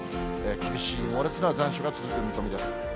厳しい猛烈な残暑が続く見込みです。